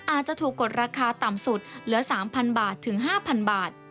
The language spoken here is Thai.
อาจจะถูกกดราคาต่ำสุดเหลือ๓๐๐บาทถึง๕๐๐บาท